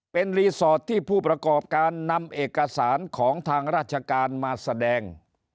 เป็นรีสอร์ทที่ผู้ประกอบการนำเอกสารของทางราชการมาแสดง